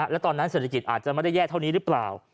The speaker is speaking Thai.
และตอนนั้นเศรษฐกิจอาจจะไม่ได้แย่เท่านี้หรือเปล่า